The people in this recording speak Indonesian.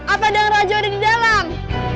apa dong rajo ada di dalam